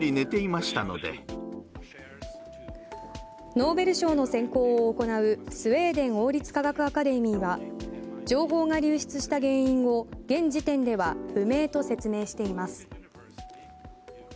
ノーベル賞の選考を行うスウェーデン王立科学アカデミーは情報が流出した原因を現時点では不明と説明しています。